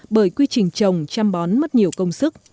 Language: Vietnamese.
bởi quy trình trồng chăm bón mất nhiều công sức